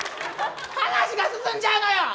話が進んじゃうのよ！